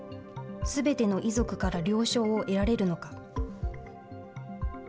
すべての遺族から了承を得られるのか。